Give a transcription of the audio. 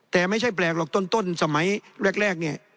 แต่ไม่ใช่แปลกหรอกต้นสมัยแรกเนี่ย